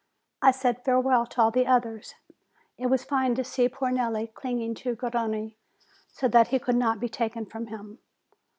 I said farewell to all the others. It was fine to see poor Nelli clinging to Garrone, so that he could not be taken from him.